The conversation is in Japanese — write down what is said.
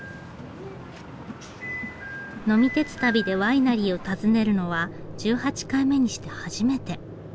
呑み鉄旅でワイナリーを訪ねるのは１８回目にして初めて。